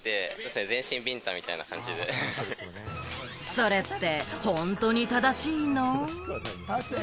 それって本当に正しいの？